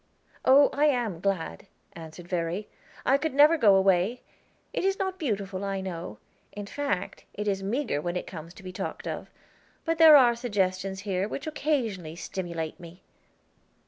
"Oh, I am glad," answered Verry. "I could never go away. It is not beautiful, I know; in fact, it is meager when it comes to be talked of; but there are suggestions here which occasionally stimulate me."